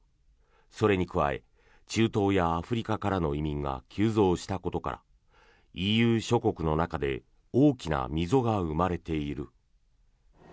それに加え中東やアフリカからの移民が急増したことからＥＵ諸国の中で大きな溝が生まれている。